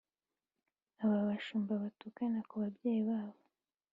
Ababashumba batukana kubabyeyi babo